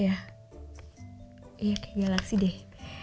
ya kayak galaksi deh